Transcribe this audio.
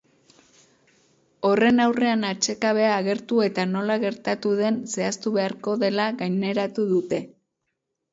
Horren aurrean atsekabea agertu eta nola gertatu den zehaztu beharko dela gaineratu dute.